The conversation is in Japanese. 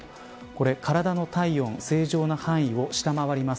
体の体温正常な範囲を下回ります。